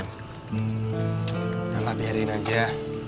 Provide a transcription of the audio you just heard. nyalah biarin aja